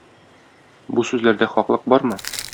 Бу сүзләрдә хаклык бармы?